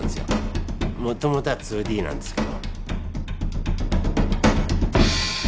もともとは２Ｄなんですけど。